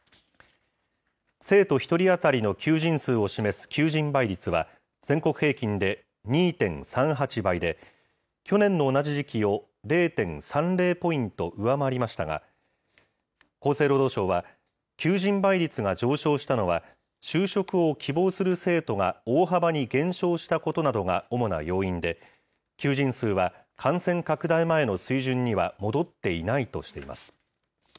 生徒１人当たりの求人数を示す求人倍率は全国平均で２．３８倍で、去年の同じ時期を０．３０ポイント上回りましたが、厚生労働省は、求人倍率が上昇したのは、就職を希望する生徒が大幅に減少したことなどが主な要因で、求人数は感染拡大前の水準には戻っていないとしています。